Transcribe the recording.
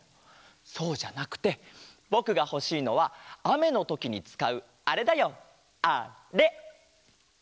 そうじゃなくてぼくがほしいのはあめのときにつかうあれだよあれ！